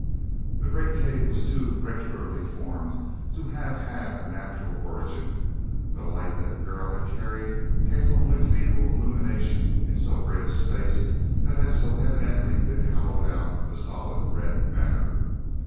he great cave was too regularly formed to have had a natural origin. The light that the girl had carried gave only feeble illumination in so great a space that had so evidently been hollowed out of the solid red matter.